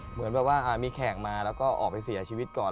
เหมือนแบบว่ามีแขกมาแล้วก็ออกไปเสียชีวิตก่อน